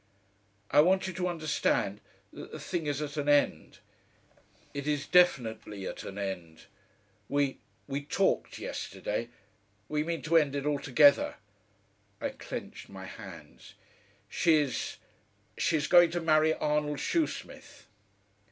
"I want you to understand that the thing is at an end. It is definitely at an end. We we talked yesterday. We mean to end it altogether." I clenched my hands. "She's she's going to marry Arnold Shoesmith."